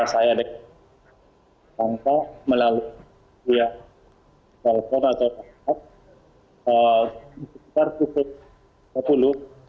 saya dek tanpa melalui via telepon atau telepon sekitar pukul sepuluh